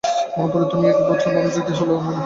মা পুরি, তুই একটু মনোযোগ না করলে হবে না।